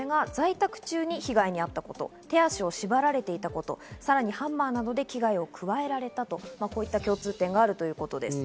それが在宅中に被害に遭ったこと、手足を縛られていたこと、さらにハンマーなどで危害を加えられた、こういった共通点があるということです。